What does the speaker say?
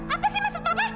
apa sih maksud papa